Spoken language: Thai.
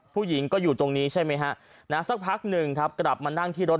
ผู้หญิงก็อยู่ตรงนี้ใช่ไหมฮะนะสักพักหนึ่งครับกลับมานั่งที่รถ